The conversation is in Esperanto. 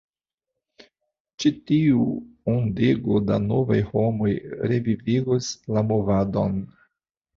Ĉi tiu ondego da novaj homoj revivigos la movadon!